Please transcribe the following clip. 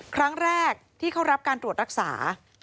ครั้งแรกที่เขารับการตรวจรักษา